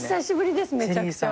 めちゃくちゃ。